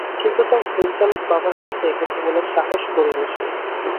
কিন্তু তার ভ্যানচালক বাবার কাছে এ কথা বলার সাহস করেনি সে।